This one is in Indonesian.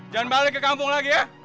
jangan balik ke kampung lagi ya